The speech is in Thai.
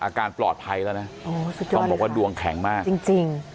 อาการปลอดภัยแล้วนะโอ้สุดยอดต้องบอกว่าดวงแข็งมากจริงจริง